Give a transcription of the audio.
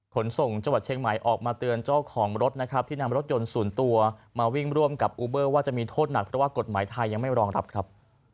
ขนส่งจังหวัดเชียงใหม่ออกมาเตือนเจ้าของรถนะครับที่นำรถยนต์ส่วนตัวมาวิ่งร่วมกับอูเบอร์ว่าจะมีโทษหนักเพราะว่ากฎหมายไทยยังไม่รองรับครับ